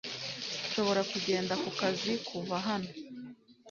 Nshobora kugenda ku kazi kuva hano .